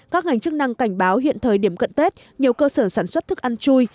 các ngành chức năng cảnh báo hiện thời điểm cận tết nhiều cơ sở sản xuất thức ăn chui